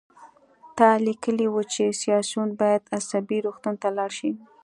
تا لیکلي وو چې سیاسیون باید عصبي روغتون ته لاړ شي